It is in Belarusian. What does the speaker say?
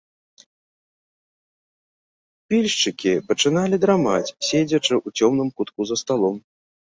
Пільшчыкі пачыналі драмаць, седзячы ў цёмным кутку за сталом.